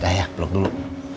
dah ya peluk dulu